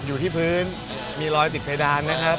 อยู่ที่พื้นมีรอยติดเพดานนะครับ